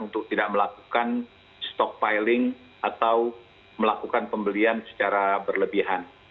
untuk tidak melakukan stockpiling atau melakukan pembelian secara berlebihan